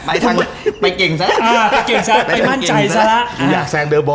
ไปเก่งซะแล้วไปมั่นใจซะแล้ว